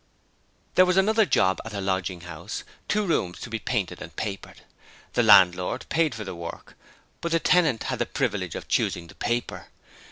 There was another job at a lodging house two rooms to be painted and papered. The landlord paid for the work, but the tenant had the privilege of choosing the paper.